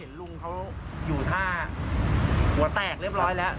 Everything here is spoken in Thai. ลุงเขาอยู่ท่าหัวแตกเรียบร้อยแล้ว